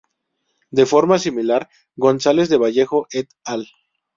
De forma similar, González de Vallejo "et al.